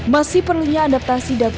masih perlunya adaptasi david da silva